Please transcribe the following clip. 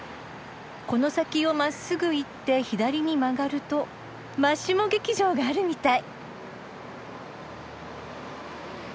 この先をまっすぐ行って左に曲がるとマッシモ劇場があるみたい。